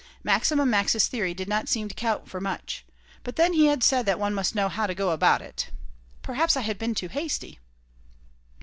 Maximum Max's theory did not seem to count for much. But then he had said that one must know "how to go about it." Perhaps I had been too hasty.